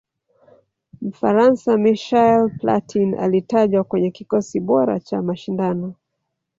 mfaransa michael platin alitajwa kwenye kikosi bora cha mashindano